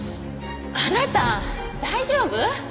あなた大丈夫？